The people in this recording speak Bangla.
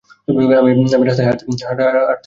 আমার রাস্তায় হাঁটতে ভালো লাগে না।